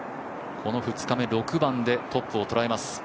この２日目、６番でトップをとらえます。